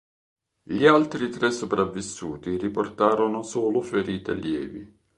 Gli altri tre sopravvissuti riportarono solo ferite lievi.